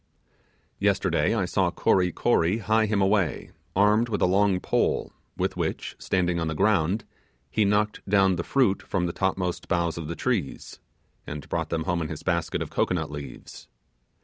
Yesterday I saw Kory Kory hie him away, armed with a long pole, with which, standing on the ground, he knocked down the fruit from the topmost boughs of the trees, and brought them home in his basket of cocoanut leaves.